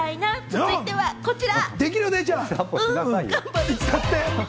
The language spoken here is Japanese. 続いてはこちら。